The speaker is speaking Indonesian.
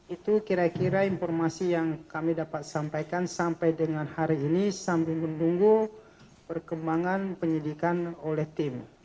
itu kira kira informasi yang kami dapat sampaikan sampai dengan hari ini sambil menunggu perkembangan penyidikan oleh tim